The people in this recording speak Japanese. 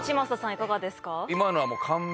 いかがですか？